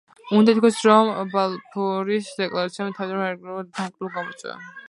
უნდა ითქვას, რომ „ბალფურის დეკლარაციამ“ თავიდანვე არაერთგვაროვანი დამოკიდებულება გამოიწვია.